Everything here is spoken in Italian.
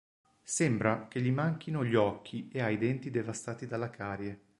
Sembra che gli manchino gli occhi e ha i denti devastati dalla carie.